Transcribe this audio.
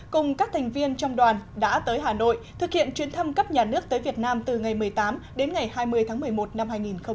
cùng các thành viên trong đoàn đã tới hà nội thực hiện chuyến thăm cấp nhà nước tới việt nam từ ngày một mươi tám đến ngày hai mươi tháng một mươi một năm hai nghìn một mươi chín